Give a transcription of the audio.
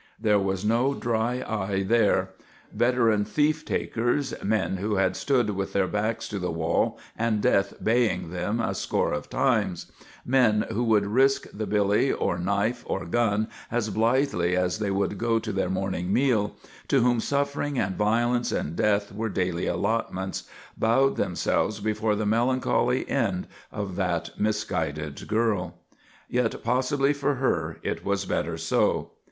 There was no dry eye there. Veteran thief takers, men who had stood with their backs to the wall and death baying them a score of times; men who would risk the billy or knife or gun as blithely as they would go to their morning meal; to whom suffering and violence and death were daily allotments, bowed themselves before the melancholy end of that misguided girl. Yet possibly, for her, it was better so.